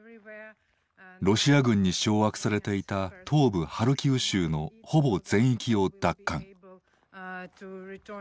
ロシア軍に掌握されていた東部ハルキウ州のほぼ全域を奪還。